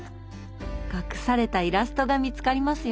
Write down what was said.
隠されたイラストが見つかりますよ。